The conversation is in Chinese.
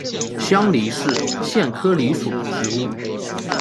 香藜是苋科藜属的植物。